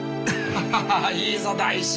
ハハハいいぞ大志！